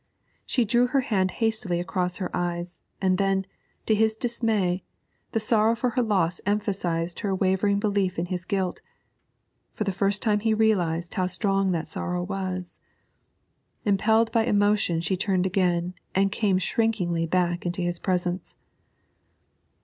She drew her hand hastily across her eyes, and then, to his dismay, the sorrow for her loss emphasised her wavering belief in his guilt; for the first time he realised how strong that sorrow was. Impelled by emotion she turned again and came shrinkingly back into his presence.